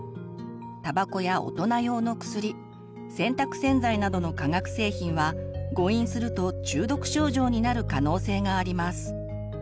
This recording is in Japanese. たばこや大人用のくすり洗濯洗剤などの化学製品は誤飲すると中毒症状になる可能性があります。